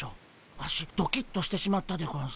ワシドキッとしてしまったでゴンス。